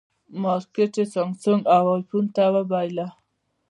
مارکېټ یې سامسونګ او ایفون ته وبایله.